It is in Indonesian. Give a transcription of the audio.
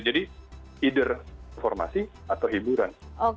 jadi either informasi atau hiburan